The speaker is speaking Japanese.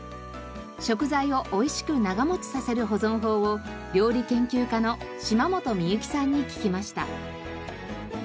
食材を美味しく長持ちさせる保存法を料理研究家の島本美由紀さんに聞きました。